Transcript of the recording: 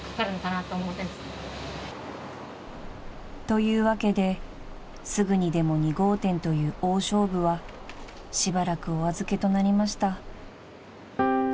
［というわけですぐにでも２号店という大勝負はしばらくお預けとなりました］